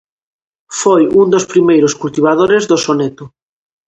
Foi un dos primeiros cultivadores do soneto.